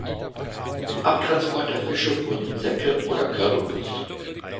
Zum Abtransport der Fische wurden Säcke oder Körbe benutzt.